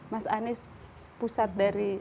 mas anies pusat dari